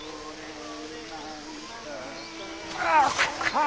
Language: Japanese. ああ！